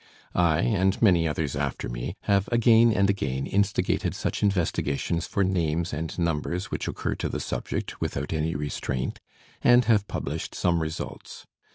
I, and many others after me, have again and again instigated such investigations for names and numbers which occur to the subject without any restraint, and have published some results.